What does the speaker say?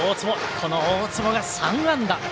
この大坪が３安打。